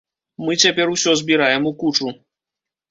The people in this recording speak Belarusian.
Мы цяпер усё збіраем у кучу.